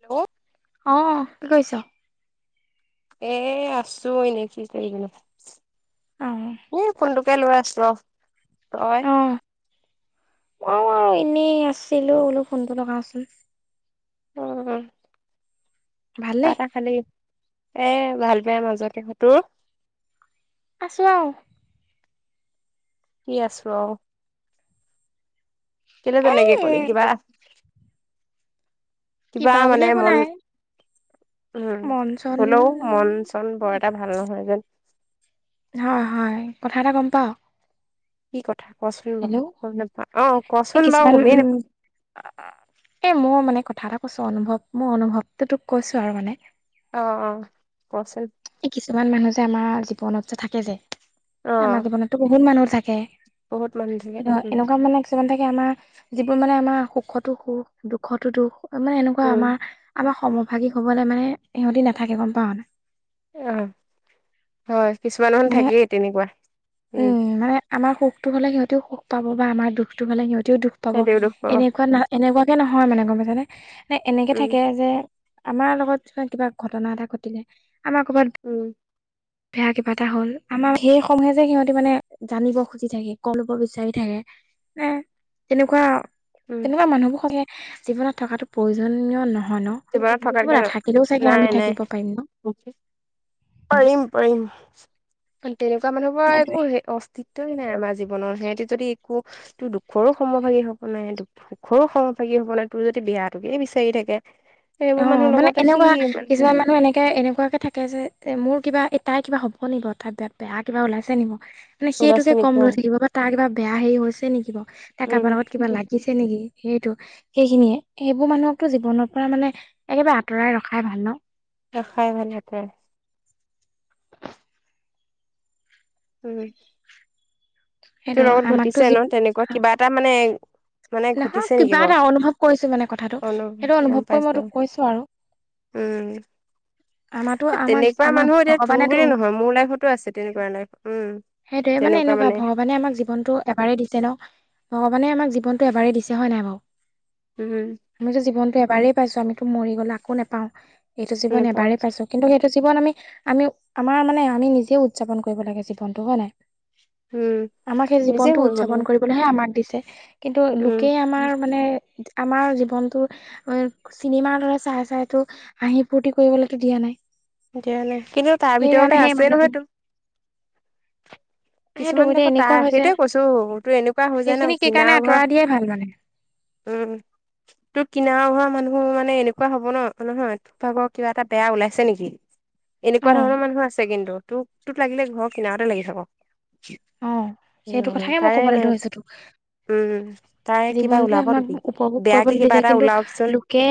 Hello. অহ, কি কৰিছ? এ আছোঁ এনেই কৰিবিনো। অ', এ ফোনটোকে লৈ আছোঁ আৰু। তই? অহ, এনেই আছিলোঁ বোলো ফোনটো লগাওঁচোন। উম। ভালে চাহ-তাহ খালি। এ ভাল বেয়াৰ মাজতে। তোৰ? আছে আৰু। কি আছোঁ আৰু? কেলে তেনেকে কলি, এই কিবা-কিবা কিবা বুলি মানে একো মন নাই উম, মন চন হ'লেও মন-চন বৰ এটা ভাল নহয় যেন। হয়, হয়। কথা এটা গম পাওঁ? কি কথা কচোন বাৰু গম নাপাওঁ। অহ, কোৱাচোন বাৰু গমেই নাপাওঁ। এ মোৰ মানে কথা এটা কৈছোঁ অনুভৱ, মোৰ অনুভৱটো তোক কৈছোঁ আৰু মানে। অহ', অহ' কচোন। এই কিছুমান মানুহ যে আমাৰ জীৱনত যে থাকে যে। অ আমাৰ জীৱনতো বহুত মানুহ থাকে, বহুত মানুহ কি থাকে এনেকুৱা মানে কিছুমান থাকে আমাৰ যিবোৰ মানে আমাৰ সুখতো সুখ, দুখতো দুখ। মানে এনেকুৱা উম আমাৰ, আমাৰ সমভাগী হ'বলৈ মানে সিহঁতি নাথাকে গম পাওঁ নাই। অহ, হয়। কিছুমান মানে থাকেই তেনেকুৱা উম। আমাৰ সুখটো হ'লে সিহঁতেও সুখ পাব বা আমাৰ দুখতটো হ'লে সিহঁতেও দুখ পাব, সেইটোৱে দুখ পাব এনেকুৱা না এনেকুৱাকে নহয় মানে গম পাইছানে নে, মানে এনেকে উম থাকে যে আমাৰ লগত যেনে কিবা ঘটনা এটা ঘটিলে আমাৰ কৰ'বাত উম। বেয়া কিবা এটা হ'ল, আমাৰ সেই সম সিহঁতে মানে জানিব খুজি থাকে, ক' ল'ব বিচাৰি থাকে নে তেনেকুৱা উম তেনেকুৱা মানুহবোৰ সছাঁকে জীৱনত থকাটো প্ৰয়োজনয় নহয় ন'। জীৱনত সেইবোৰ থকাতকে নাথাকিলেও চাগে আমি থাকিব পাৰিম ন'। পাৰিম-পাৰিম তেনেকুৱা মানুহবোৰৰ একো হেৰি অস্তিত অস্তিত্ব নাই, আমাৰ জীৱনৰ সিহঁতে যদি একোতো দুখৰো সমভাগী হ'ব নাবাৰে। দু সুখৰো সমভাগী হ'ব নোবাৰে তোৰ যদি বেয়াটোকে বিচাৰি থাকে। অহ, এইবোৰ মানুহৰ মানে লগত ৰাখি এনেকুৱা মানে কিছুমান মানুহ এনেকে এনেকুৱাকে থাকে। তাকে যে এ মোৰ কিবা, এই কিবা হ'ব নেকি বাৰু তাইৰ বে-বেয়া কিবা ওলাইছে নেকি? মানে ওলাইছে সেইটোকে কম নেকি অ লৈ থাকিব বা তাৰ কিবা বেয়া হেৰি হৈছে নেকি বাৰু তাৰ উম কাৰবাৰ লগত কিবা লাগিছে নেকি। সেইটো সেইখিনিয়ে সেইবোৰ মানুহকটো জীৱনৰ পৰা মানে একেবাৰে আঁতৰাই ৰখাই ভাল নহ। ৰখাই ভাল। [unintelligible] উম। সেইটো তোৰ লগত আমাকতো ঘটিছে যি নহ তেনেকুৱা কিবা এটা মানে। মানে নহয় ঘটিছে নেকি কিবা বাৰু এটা অনুভৱ কৰিছোঁ মানে কথাটো অনু সেইটো গম অনুভৱ কৰি মই পাইছো তোক কৈছোঁ আৰু। উম। আমাৰতো আমাক তেনেকুৱা আমাক মানুহ এতিয়া তোৰ ভগৱানেতো বুলি নহয় মোৰ লাইফতো আছে তেনেকুৱা লাইফ উম। সেইটোৱে মানে এনেকুৱা ভগৱানে আমাক জীৱনটো। এবাৰে দিছে নহ ভগৱানে আমাক জীৱনটো এবাৰেই দিছে হয় নাই বাৰু। উম। আমিতো জীৱনটো এবাৰেই পাইছোঁ আমিতো মৰি গ'লে আকৌ নেপাওঁ এইটো জীৱন নেপাওঁ এবাৰেই পাইছোঁ। কিন্তু সেইটো জীৱন আমি, আমি আমাৰ মানে আমি নিজে উদযাপন কৰিব লাগে জীৱনটো হয় নাই। উম আমাক সেই নিজে জীৱনটো কৰিব লাগিব উদযাপন কৰিবলৈহে আমাক দিছে। কিন্তু উম লোকেই আমাৰ মানে আমাৰ জীৱনটো। চিনেমাৰ দৰে চাই চাইটো হাঁহি ফূুৰ্তি কৰিবলৈতো দিয়া নাই। তেতিয়াহ'লে কিন্তু তাৰ সেইকাৰণে ভিতৰতে সেই আছেই মানুহখিনি নহয় তো [inaudible] কিছুমান এতিয়া দেশত এনেকুৱা তাৰ হৈছে সেইটোৱে কৈছো তোৰ এনেকুৱা হৈ যায় নহ কিনাৰ। ঘৰ [unintelligible] দিয়ে ভাল মানে। উম তোৰ কিনাৰৰ ঘৰ মানুহ মানে এনেকুৱা হব নহ নহয়। [unintelligible] কিবা এটা বেয়া ওলাইছে নেকি। এনেকুৱা অ', ধৰণৰ মানুহ আছে কিন্তু তোক তোক লাগিলে ঘৰ কিনাৰতে লাগি থাকক। অ সেই সেইটো নহয় কথাকে মই তাৰে ক'বলৈ মানে ধৰিছো তোক। উম তাৰে কিবা জীৱনটো ওলাব নেকি আমাক উপভোগ বেয়াকে কৰিবলৈ কিবা দিলে এটা কিন্তু ওলাওকচোন লোকে।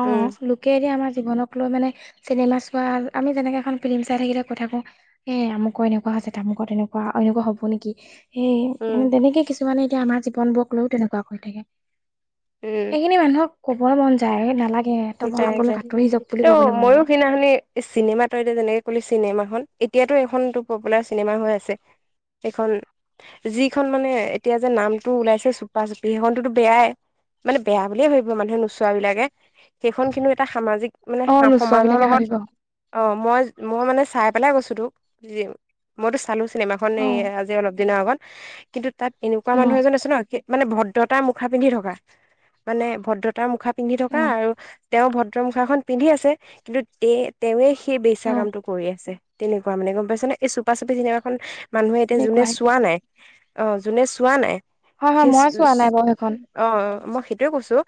অ', উম। লোকে এতিয়া আমাৰ জীৱনক লৈ মানে চিনেমা চোৱা আমি যেনেকে এখন ফিল্ম চাই থাকিলে কথা কওঁ। এ আমুকৰ এনেকুৱা হৈছে তামুকৰ তেনেকুৱা এনেকুৱা হ'ব নেকি হে উম মানে তেনেকে কিছু। [unintelligible] মানে এতিয়া আমাৰ জীৱন বোৰক লৈও তেনেকুৱা কৰি থাকে উম সেইখিনি মানুহক। ক'বই মন যায় নালাগ যায় যায় ত' মইও যায়। সেইদিনাখনি। চিনেমা তই এতিয়া যেনেকে কলি চিনেমাখন এতিয়াতো এখন তোৰ পপুলাৰ চিনেমা হৈ আছে। এখন। যিখন মানে এতিয়া যে নামটো ওলাইছে চুপা চুপি সেইখনতো বেয়াই। মানে বেয়া বুলিয়ে ভাৱিব মানুহে নোচোৱা বিলাকে। সেইখন কিন্তু এটা সামাজিক মানে অ', নোচোৱা সমাজৰ বিলাকে লগত। ভাবিব অ', অ মই, মই মানে চাই পেলাই গৈছোঁ তোক। [unintelligible] মইতো চালোঁ চিনেমা খন এই অ', আজি অলপ দিনৰ আগত। কিন্তু তাত এনেকুৱা মানুহ অ', এজন আছে নহ মানে ভদ্ৰতাৰ মুখ। মুখা পিন্ধি থকা মানে ভদ্ৰতাৰ মুখা পিন্ধি থকা আৰু। তেওঁ ভদ্ৰ মুুখাখন পিন্ধি আছে। কিন্তু তে-তেৱে সেই বেইছা অ', কামটো কৰি আছে তেনেকুৱা মানে গম পাইছানে। এই চুপা চুপি চিনেমাখন মানুহে এতিয়া যোনে তেনেকুৱা সেইটোৱে। চোৱা নাই অ যোনে চোৱা নাই। হয় হয় সেই মই চোৱা নাই বাৰু সেইখন অ মই সেইটোৱে কৈছোঁ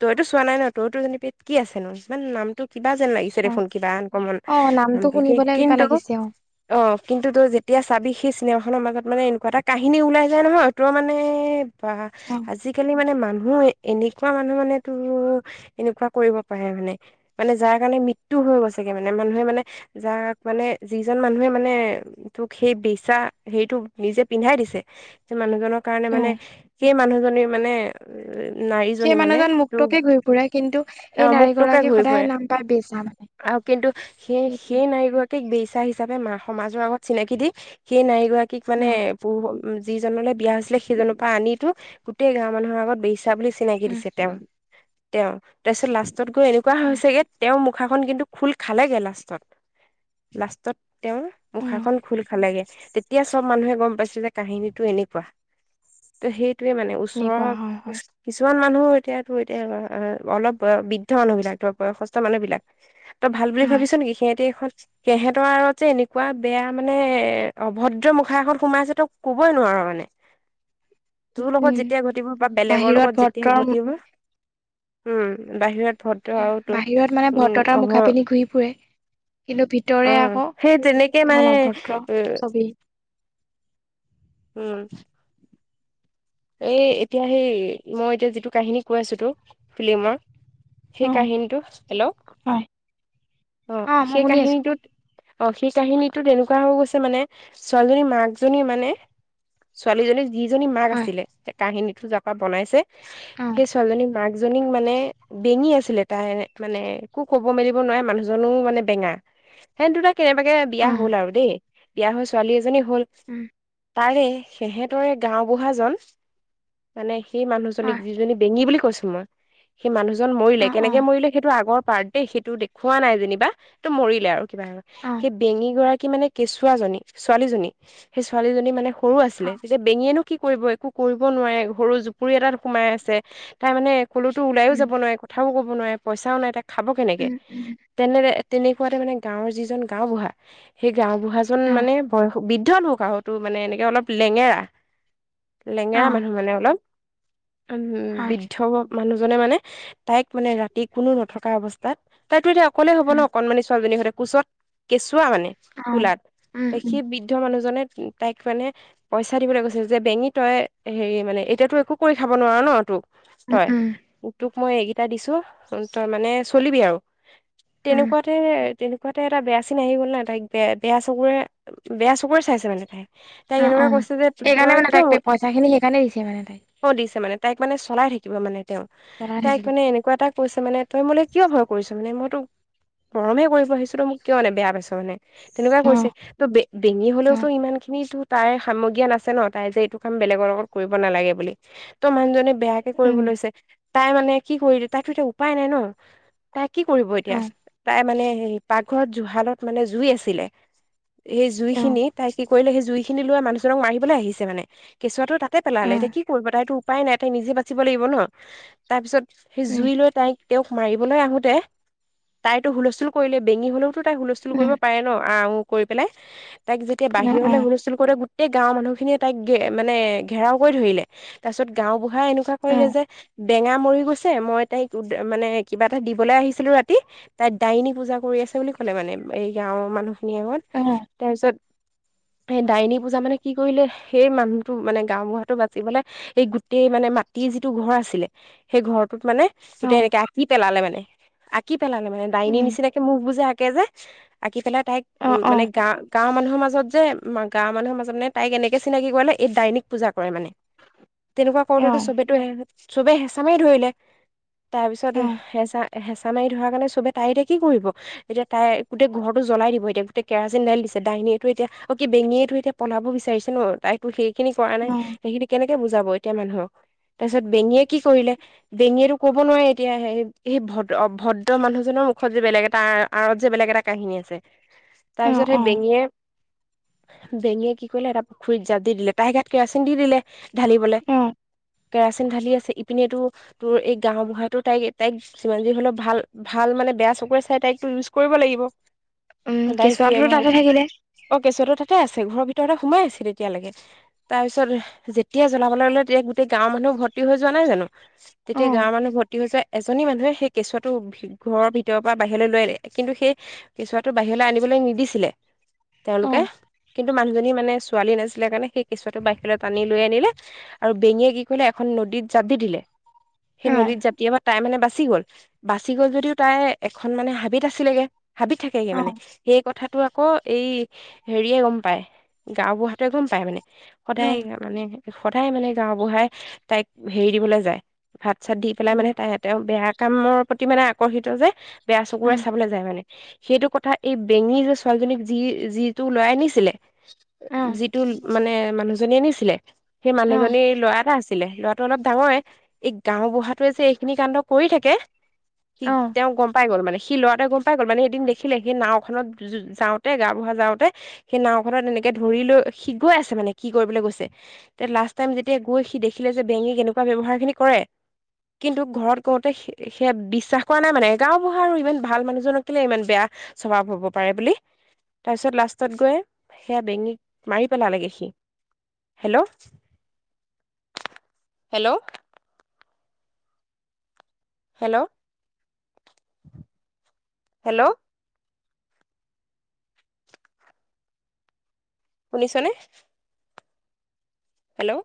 তইতো চোৱা নাই নহ তইতো। [unintelligible] কি আছে নো ইমান নামটো কিবা যেন লাগিছে। [unintelligible] অ কিবা আনকমন অ নামটো শুনিবলৈ কিবা কিন্তু। লাগিছে অ কিন্তু তই যেতিয়া চাবি সেই চিনেমাখনৰ মাজত মানে এনেকুৱা এটা কাহিনী ওলাই যায় নহয় তোৰ মানে। বা অ আজিকালি মানে মানুহ এনেকুৱা মানুহ মানে তোৰ এনেকুৱা। কৰিব পাৰে মানে মানে যাৰ কাৰণে মৃত্যু হৈ গৈছেগে মানে মানুহে মানে। যাক মানে যিজন মানুহে মানে। তোক সেই বেইচা সেইটো নিজে পিন্ধাই দিছে। মানুহজনৰ কাৰণে অ মানে সেই মানুহজনীৰ মানে নাৰীজনী মানে তোৰ পুৰা কিন্তু সেই মুক্তকে নাৰীগৰাকী ঘূৰি সদায় ফুৰে নাম পাই বেচা মানে আৰু কিন্তু সেইটোৱে সেই-সেই নাৰীগৰাকী বেইচা হিচাপে সমাজৰ আগত চিনাকি দি সেই নাৰী গৰাকীক অ মানে পুৰুষ উম যিজনলৈ বিয়া হৈছিলে সেইজনৰ পৰা আনি তোৰ গোটেই গাঁৱৰ মানুহৰ আগত বেইচা বুলি চিনাকি উম দিছে তেওঁ তেওঁ তাৰপিছত লাষ্টত গৈ এনেকুৱা হৈছেগৈ তেওঁৰ মুখাখন কিন্তু খোল খালেগে লাষ্টত লাষ্টত তেওঁৰ উম মুখাখন খোল খালেগে তেতিয়া চব মানুহে গম পাইছিল যে কাহিনীটো এনেকুৱা। ত সেইটোয়ে মানে ওচৰৰ সেনেকুৱা হয় হয় কিছুমান মানুহো এতিয়াতো এতিয়া অলপ বয়স বৃদ্ধ মানুহ বিলাক বয়সস্থ মানুহ বিলাক তই ভাল বুলি হয় ভাবিছ নেকি সিহঁতি এখন তেহেঁতৰ আৰু যে এনেকুৱা বেয়া মানে এ অভদ্ৰ মুখা এখন সোমাই আছে তই কবই নোৱাৰ মানে। [inaudible] তোৰ লগত উম যেতিয়া ঘটিব বা বেলেগৰ বাহিৰত লগত যেতিয়া ভদ্ৰৰ ঘটিব, হম, বাহিৰত ভদ্ৰ আৰু বাহিৰত মানে তোৰ উম ভদ্ৰতাৰ মুখা [inaudible] পিন্ধি ঘূৰি ফুৰে কিন্তু অ, ভিতৰে আকৌ সেই যেনেকে এখন মানে অভদ্ৰ উ ছবি উম, এই এতিয়া সেই মই এতিয়া যিটো কাহিনী কৈ আছোঁ তোক ফিলি্মৰ। অ সেই কাহিনটো। হেল্ল' হয় অ, মই সেই শুনি আছো কাহিনীটোত অ, সেই কাহিনীটোত এনেকুৱা হৈ গৈছে মানে, ছোৱালী জনীৰ মাক জনী মানে, ছোৱালী জনী যিজনী মাক হয় আছিলে। কাহিনীটো যাৰ পৰা বনাইছে, অ সেই ছোৱালী জনী মাক এজনীক মানে বেঙি আছিলে তাই মানে, একো ক'ব মেলিব নোৱাৰে। মানুহ জনো মানে বেঙা। সিহঁত দুটাই কেনেবাকে বিয়া অ হ'ল আৰু দেই, বিয়া হৈ ছোৱালী এজনী হ'ল। উম তাৰে সিহঁতৰে গাঁওবুঢ়াজন মানে সেই মানুহজনীক হয় যিজনী বেঙি বুলি কৈছো মই। সেই মানুহজন মৰিলে। অ অ কেনেকে মৰিলে সেইটো আগৰ পাৰ্ত দেই। সেইটো দেখু হোৱা নাই যেনিবা। টো মৰিলে আৰু কিবা এ অ, বেঙি গৰাকী মানে কেঁচুৱাজনী, ছোৱালীজনী সেই ছোৱালীজনী মানে সৰু অ আছিলে। তেতিয়া বেঙিয়েনো কি কৰিব, একো কৰিব নোৱাৰে। সৰু জুপুৰি এটাত সোমাই আছে। তাই মানে, কলেতো ওলাইও উম যাব নোৱাৰে। কথাও ক'ব নোৱাৰে। পইচাও নাই, তাই খাব কেনেকে। উম উম তেনে-তেনেকুৱাতে মানে, গাঁৱৰ যিজন গাও বুঢ়া, সেই গাওঁবুঢ়াজন অ মানে, বয়স বৃদ্ধলোক মানে এনেকে অলপ লেঙেৰা। [inaudible] লেঙেৰা মানুহ মানে অলপ। একদম হয়, বৃ দ্ধ মানুহজনে মানে, তাইক মানে ৰাতি কোনো নথকা অৱস্থাত, তাইতো এতিয়া অক অকলে হ'ব ন। উম, অকনমানি ছোৱালীজনীৰ সৈতে, কোঁচত কেঁচুৱা মানে, অ', কোলাত। উম, উম, সেই বৃদ্ধ দ্ধ মানুহজনে তাইক মানে, পইচা দিবলৈ গৈছিল যে, বেঙি তই হেৰি মানে, এতিয়াতো একো কৰি খাব নোৱাৰ নহ। তোক উম, তই। উম, তোক মই এইকেইটা দিছো, তই মানে চলিবি আৰু। উম, তেনেকুৱাতে, তেনে কোৱাতে এটা বেয়া চিন আহি গ'ল না। তাইক বে বেয়া চকুৰে, বেয়া চকুৰে চাইছে মানে তাই। তাইক অ', এনেকুৱা অ', কৈছে যে, সেইকাৰণে তই মানে কিয় তাইক পইচা খিনি সেইকাৰণে দিছে মানে তাইক অ, দিছে মানে, তাইক মানে, চলাই থাকিব মানে তেওঁ। জনাই তাইক থাকিলো মানে এনে কিবা এটা কৈছে মানে, তই মোক কিয় ভয় কৰিছ মানে, মইটো মৰমে কৰিব আহিছো, তই মোক কিয় মানে, বেয়া পাইছ মানে। তেনেকুৱাই অ', কৰিছে। ত বে-বেঙি অ', হলেওতো ইমান খিনিটো তাইৰ সমগীয়ান নাছে ন। তাই যে এইটো কাম বেলেগৰ লগত কৰিব নালাগে বুলি। ত' মানুহজনে বেয়াকে উম, কৰিব লৈছে। তাই মানে কি কৰি তাইতো এতিয়া উপায় নাই ন, তাই কি কৰিব এতিয়া। অ', তাই মানে, হেৰি পাকঘৰত জুহালত মানে জুই আছিলে। সেই জুই অ', খিনি তাই কি কৰিলে সি জুই খিনি লৈ মানুহজনক মাৰিবলৈ আহিছে মানে। কেঁচুৱাটো তাতে পালালে অ', এতিয়া কি কৰিব। তাইতটো উপাই নাই তাই নিজে বাচিব লাগিব ন। তাৰ পিছত সেই উম, জুই লৈ তাইক তেওঁক মাৰিবলৈ আহোতে তাইতো হুলস্থুল কৰিলে। বেঙি হলেওতো তাই হুলস্থুল কৰিব পাৰে ন, আ উং কৰি পেলাই। তাইক যেতিয়া উম, অ', বাহিৰলৈ অ', হুলস্থুল কৰোঁতে গোটেই গাঁৱৰ মানুহ খিনিয়ে তাইক মানে ঘেৰাও কৰি ধৰিলে। তাৰ পিছত গাওঁবুঢ়াই এনেকুৱা কৰিলে অ', যে, বেঙা মৰি গৈছে, মই তাইক মানে কিবা এটা দিবলৈ আহিছিলো। ৰাত তি, তাই ডাইনী পূজা কৰি আছে বুলি ক'লে মানে, এই গাঁওৰ মানুহখিনিৰ আগত। অ। তাৰপিছত সেই ডাইনী পূজা মানে কি কৰিলে, সেই মানুহটো মানে গাওবুঢ়াটো বাচিবলে এই গোটেই মানে মাটিৰ যিটো ঘৰ আছিলে, সেই ঘৰটোত মানে গোটেই অ', এনেকে আঁকি পেলালে মানে। আঁকি পেলালে মানে, ডাইনী উম, নিচিনাকে মুখ বোৰ আঁকে যে, আঁকি পেলাই তাইক অ', অ', মানে অ', গাঁওৰ গাঁওৰ মানুহৰ মাজত যে, গাওঁৰ মানুহৰ মাজত তাইক এনেকৈ চিনাকি কৰালে, এই ডাইনিক পূজা কৰে মানে। তেনেকুৱা অ', কৰোতেটো অ', চবেই চবে হেঁচা মাৰি ধৰিলে। তাৰপিছত হেঁচা-হেঁচা মাৰি ধৰা কাৰণে চবে, তাইতে এতিয়া কি কৰিব। এতিয়া তাই গোটেই ঘৰটো জ্বলাই দিব। এতিয়া গোটেই কেৰাচিন ঢালি দিছে। দাইনীয়েটো এতিয়া, অ' কি বেঙীয়েটো এতিয়া পঢ়াব বিচাৰিছে ন তাইতো সেইখিনি কৰা নাই সেইখিনি কেনেকে বুজাব এতিয়া মানুহক তাৰপিছত বেঙিয়ে কি কৰিলে বেঙিয়েতো কব নোৱাৰে এতিয়া সেই অভদ্ৰ মানুহজনৰ মুখত যে বেলেগ এটা আঁৰত যে বেলেগ এটা কাহিনী আছে অ', তাৰপিছত সেই অ', বেঙিয়ে বেঙিয়ে কি কৰিলে এটা পুখুৰীত জাপ দি দিলে তা‌ইৰ গাত কেৰাচিন দি দিলে ঢালিবলে অ', কেৰাচিন ঢালি আছে ইপিনেতো তোৰ এই গাওবুঢ়াতো তাইক তাইক যিমান যি হলেও ভাল ভাল মানে বেয়া চকুৰে চাই তাইক টো ‌ইউজ কৰিব লাগিব উম, তাই সিয়েই কেঁচুৱাটোতো তাতে থাকিলে অ কেঁচুৱাটো তাতে আছে ঘৰৰ ভিতৰতে সোমাই আছে তেতিয়ালৈকে তাৰ পিছত যেতিয়া জ্বলাবলৈ ল'লে তেতিয়া গোটেই গাঁৱৰ মানুহ ভৰ্তি হৈ যোৱা নাই জানো তেতিয়া অ', গাঁৱৰ মানুহ ভৰ্তি হৈ যোৱা এজনী মানুহে সেই কেঁচুৱাটো ঘৰৰ ভিতৰৰ পৰা বাহিৰলৈ লৈ আহিলে কিন্তু সেই কেঁচুৱাটো বাহিৰলৈ আনিবলৈ নিদিছিলে তেওঁলোকে অ', কিন্তু মানুহজনী মানে ছোৱালী নাছিলে কাৰণে সেই কেঁচুৱাটো বাহিৰ টানি লৈ আনিলে আৰু বেঙিয়ে কি কৰিলে এখন নদীত জাপ দি দিলে সেই অ', নদীত জাপ [unintelligible] মানে বাচি গ'ল বাচি গ'ল যদিও তাই এখন মানে হাবিত আছিলেগে হাবিত থাকেগে অ', মানে অ', সেই কথাাটো আকৌ এই হেৰিয়ে গম পায় গাওঁ বুঢ়াটোৱে গম পায় মানে সদায় মানে সদায় মানে গাওবুঢ়াই তাইক হেৰি দিবলৈ যায় ! ! ! ! ! ! উম, উম, সেইটো কথা এই বেঙি যে ছোৱালীজনীক যি যিটো লৰা আনিছিলে অ', যিটো মানে মানুহজনীয়ে আনিছিলে সেই অ', মানুহজনীৰ ল'ৰা এটা আছিলে ল'ৰাটো অলপ ডাঙৰে এই গাও বুঢাতোৱে যে এইখিনি কাণ্ড কৰি থাকে সি অ', তেওঁ গম পাই গ'ল মানে সি ল'ৰাটোৱে গম পাই গ'ল মানে এদিন দেখিলে সেই নাওখনত যাওঁতে গাঁও বুঢ়া যাওঁতে সেই নাওখনত এনেকে ধৰি লৈ সি গৈ আছে মানে কি কৰিবলৈ গৈছে তেতিয়া লাষ্ট টাইম যেতিয়া গৈ সি দেখিলে যে বেঙিক এনেকুৱা ব্যৱহাৰ খিনি কৰে কিন্তু ঘৰত কওঁতে সেয়া বিশ্বাস কৰা নাই মানে গাঁওবুঢ়া আৰু ইমান ভাল মানুহজনক কেলে ইমান বেয়া স্বভাৱ হব পাৰে বুলি তাৰপিছত লাষ্টত গৈ সেয়া বেঙিক মাৰি পেলালেগে সি হেল্ল' হেল্ল' হেল্ল', হেল্ল'। শুনিছনে? হেল্ল'।